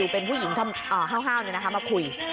เป็นผู้หญิงทั้งห้าวห้าวนี่นะมาคุย